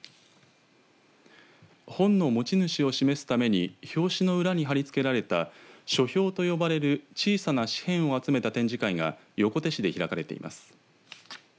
本の持ち主を示すために表紙の裏に貼り付けられた書票と呼ばれる小さな紙片を集めた展示会が横手市で開かれています。